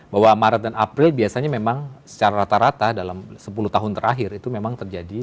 bahwa maret dan april biasanya memang secara rata rata dalam sepuluh tahun terakhir itu memang terjadi